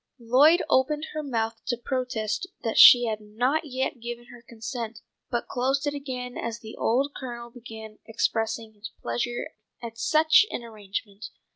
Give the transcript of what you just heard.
Lloyd opened her mouth to protest that she had not yet given her consent, but closed it again as the old Colonel began expressing his pleasure at such an arrangement.